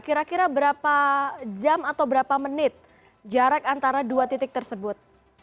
kira kira berapa jam atau berapa menit jarak antara dua titik tersebut